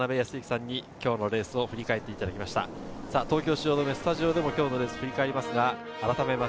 東京の汐留スタジオでも今日のレースを振り返ります。